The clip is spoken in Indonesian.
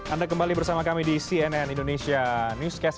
anda kembali bersama kami di cnn indonesia newscast